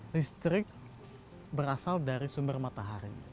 listrik berasal dari sumber matahari